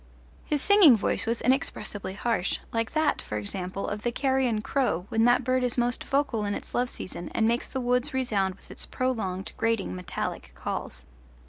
His singing voice was inexpressibly harsh, like that, for example, of the carrion crow when that bird is most vocal in its love season and makes the woods resound with its prolonged grating metallic calls.